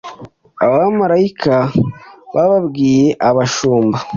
abamalayika babwiye abashumba